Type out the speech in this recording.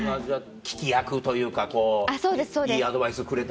聞き役というかこういいアドバイスくれたり。